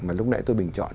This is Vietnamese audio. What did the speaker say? mà lúc nãy tôi bình chọn